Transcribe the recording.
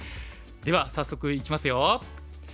では早速いきますよ。